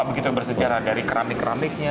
begitu bersejarah dari keramik keramiknya